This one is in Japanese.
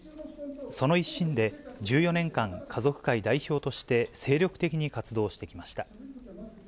その一心で、１４年間、家族会代表として精力的に活動してきました。